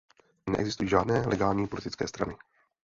Neexistují žádné legální politické strany.